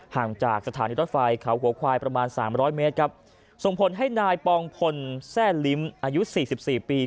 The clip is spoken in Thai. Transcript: ห่างจากสถานีรถฟัยเกลาหัวควายประมาณ๓๐๐เมตรส่งผลให้นายปองผลแซ่ลิมอายุ๔๔ปี